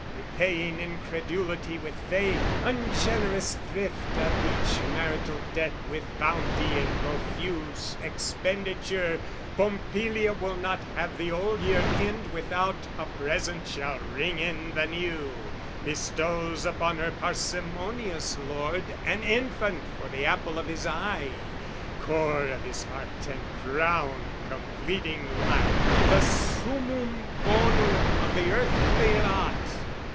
Repaying incredulity with faith, Ungenerous thrift of each marital debt With bounty in profuse expenditure, Pompilia will not have the old year end Without a present shall ring in the new Bestows upon her parsimonious lord An infant for the apple of his eye, Core of his heart, and crown completing life, The summum bonum of the earthly lot!